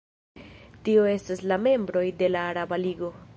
Tio estas la membroj de la Araba Ligo.